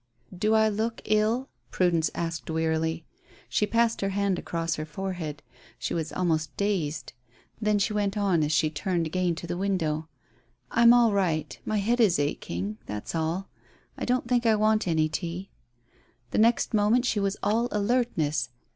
"Do I look ill?" Prudence asked wearily. She passed her hand across her forehead. She was almost dazed. Then she went on as she turned again to the window: "I'm all right; my head is aching that's all. I don't think I want any tea." The next moment she was all alertness.